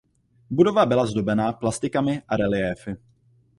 Budova byla zdobená plastikami a reliéfy.